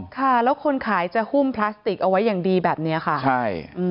ค่ะแล้วคนขายจะหุ้มพลาสติกเอาไว้อย่างดีแบบนี้ค่ะใช่